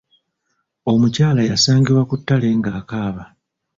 Omukyala yasangibwa ku ttale ng'akaaba.